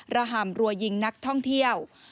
ห่ำรัวยิงนักท่องเที่ยว